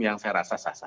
saya rasa sah sah saja